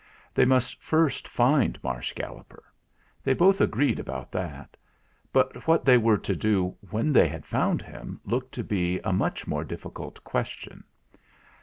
They must first find Marsh Galloper ; they both agreed about that; but what they were to do when they had found him looked to be a much more difficult question.